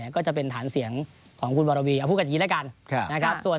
ก็จะเป็นฐานเสียงของคุณวรวีเอาพูดกันอย่างนี้แล้วกันนะครับ